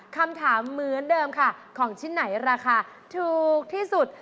คำถามเหมือนเดิมค่ะของชิ้นไหนราคาถูกที่สุด